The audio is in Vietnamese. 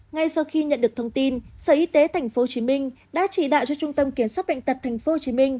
ngay sau khi nhận được thông tin sở y tế tp hcm đã chỉ đạo cho trung tâm kiểm soát bệnh tật tp hcm